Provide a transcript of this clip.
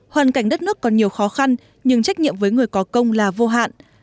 hoàn cảnh đất nước còn nhiều khó khăn nhưng trách nhiệm với người có công là vô hạn